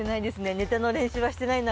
ネタの練習はしてないな